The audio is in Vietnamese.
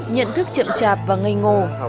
nhận thức chậm chạp và ngây ngồ